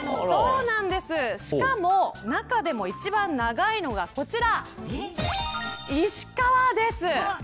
しかも中でも一番長いのがこちら。